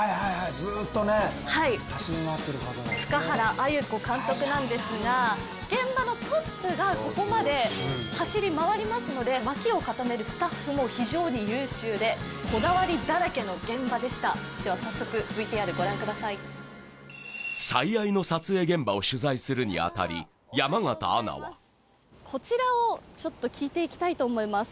ずーっとね走り回ってる方塚原あゆ子監督なんですが現場のトップがここまで走り回りますので脇を固めるスタッフも非常に優秀でこだわりだらけの現場でしたでは早速「最愛」の撮影現場を取材するにあたり山形アナはこちらをちょっと聞いていきたいと思います